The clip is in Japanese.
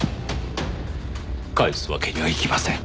帰すわけにはいきません。